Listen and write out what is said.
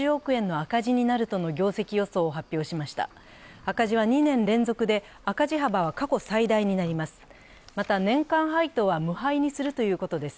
赤字は２年連続で、赤字幅は過去最大になります。